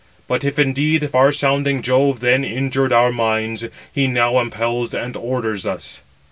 But if, indeed, far sounding Jove then injured 507 our minds, he now impels and orders us."